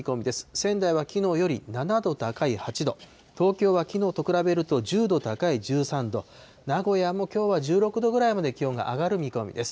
仙台はきのうより７度高い８度、東京はきのうと比べると、１０度高い１３度、名古屋もきょうは１６度ぐらいまで気温が上がる見込みです。